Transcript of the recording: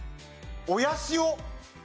親潮。